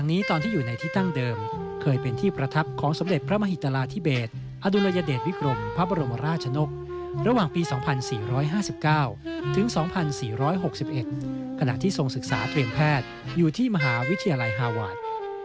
ขณะ๒๔๖๑ขณะที่ทรงศึกษาเตรียมแพทย์อยู่ที่มหาวิทยาลัยฮาวาส